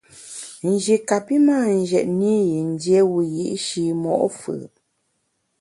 Nji kapi mâ njetne i yin dié wiyi’shi mo’ fù’.